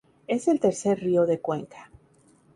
Es el tercer río de Cuenca.